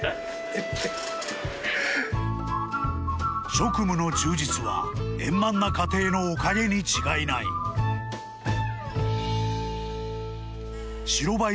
職務の充実は円満な家庭のおかげに違いない白バイ